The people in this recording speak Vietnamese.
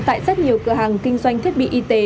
tại rất nhiều cửa hàng kinh doanh thiết bị y tế